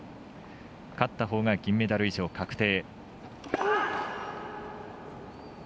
勝ったほうが銀メダル以上確定。